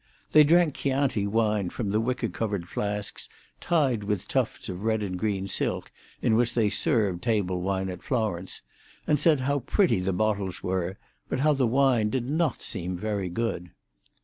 They drank Chianti wine from the wicker covered flasks, tied with tufts of red and green silk, in which they serve table wine at Florence, and said how pretty the bottles were, but how the wine did not seem very good.